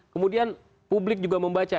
kemudian publik juga membaca